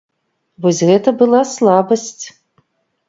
Вось гэта была слабасць.